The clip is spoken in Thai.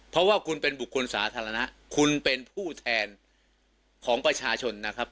เพราะว่าคุณเป็นบุคคลสาธารณะคุณเป็นผู้แทนของประชาชนนะครับ